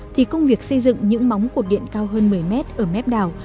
thì công việc xây dựng những móng cột điện cao hơn một mươi mét ở mép đảo